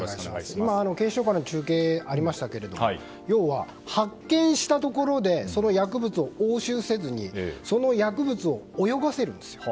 今、警視庁からの中継がありましたけれども要は発見したところでその薬物を押収せずにその薬物を泳がせるんですよ。